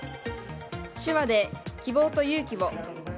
手話で希望と勇気を。